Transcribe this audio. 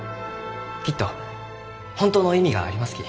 きっと本当の意味がありますき。